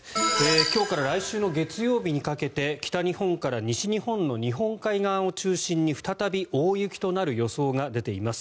今日から来週の月曜日にかけて北日本から西日本の日本海側を中心に再び大雪となる予想が出ています。